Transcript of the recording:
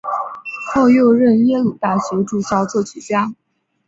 后又任耶鲁大学驻校作曲家。